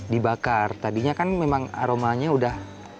dibakar tadinya kan memang aromanya udah